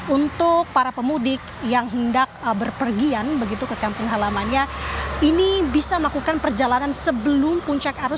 untuk para pemudik yang hendak berpergian begitu ke kampung halamannya ini bisa melakukan perjalanan sebelum puncak arus